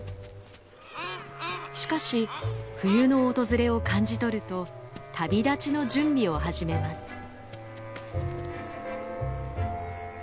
しかし冬の訪れを感じ取ると旅立ちの準備を始めます。